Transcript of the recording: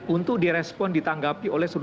untuk di respon ditanggapi oleh